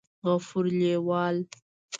غفور لېوال